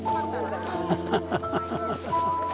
アハハハ。